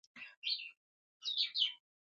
کړم او هدفونه وټاکم،